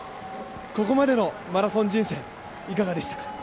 ここまでのマラソン人生いかがでしたか？